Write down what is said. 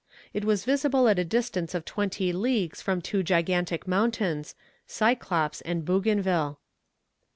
It was visible at a distance of twenty leagues from two gigantic mountains, Cyclops and Bougainville.